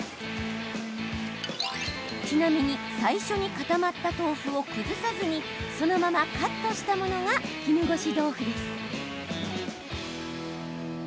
ちなみに最初に固まった豆腐を崩さずにそのままカットしたものが絹ごし豆腐です。